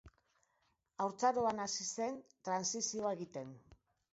Haurtzaroan hasi zen trantsizioa egiten.